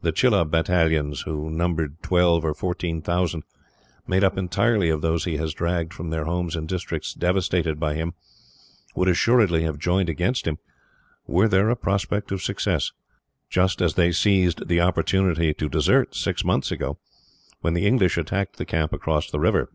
The Chelah battalions, who numbered twelve or fourteen thousand, made up entirely of those he has dragged from their homes in districts devastated by him, would assuredly have joined against him, were there a prospect of success, just as they seized the opportunity to desert six months ago, when the English attacked the camp across the river.